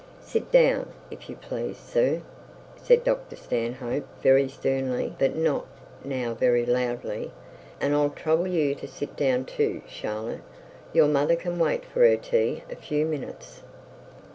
'Sit down, if you please, sir,' said Dr Stanhope very sternly, but not now very loudly. 'And I'll trouble you to sit down, too, Charlotte. Your mother can wait for her tea a few minutes.'